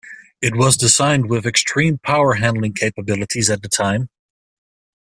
It was designed with extreme power handling capabilities at the time.